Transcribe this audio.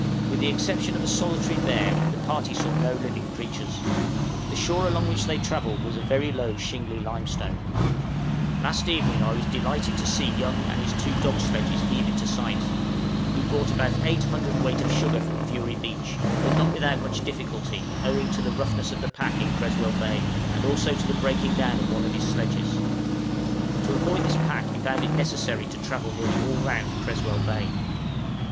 With the exception of a solitary bear, the party saw no living creatures. The shore along which they travelled was a very low shingly limestone. {RETURN OF CAPTAIN YOUNG.} {SNOW BLINDNESS.} Last evening I was delighted to see Young and his two dog sledges heave in sight; he brought about 8 cwt. of sugar from Fury Beach, but not without much difficulty, owing to the roughness of the pack in Creswell Bay, and also to the breaking down of one of his sledges; to avoid this pack he found it necessary to travel nearly all round Creswell Bay.